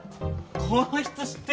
この人知ってる。